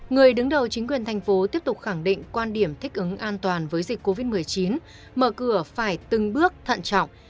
người đứng đầu chính quyền thành phố tiếp tục khẳng định quan điểm thích ứng an toàn với dịch covid một mươi chín mở cửa phải từng bước thận trọng